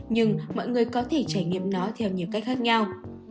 nhưng mọi người có thể trải nghiệm nó theo nhiều cách khác nhau